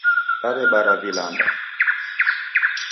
Daw'ebara vilamba